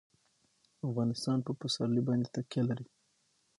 افغانستان په پسرلی باندې تکیه لري.